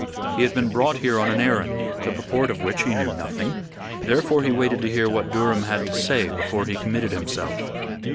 He had been brought here on an errand, the purport of which he knew nothing; therefore he waited to hear what Durham had to say before he committed himself.